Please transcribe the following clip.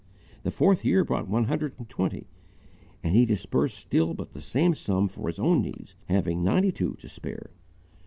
The fourth year brought one hundred and twenty, and he disbursed still but the same sum for his own needs, having ninety two to spare.